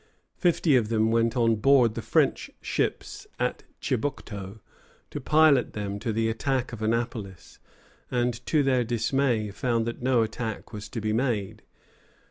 Fifty of them went on board the French ships at Chibucto to pilot them to the attack of Annapolis, and to their dismay found that no attack was to be made.